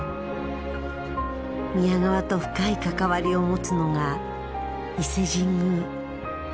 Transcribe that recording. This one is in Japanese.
宮川と深い関わりを持つのが伊勢神宮。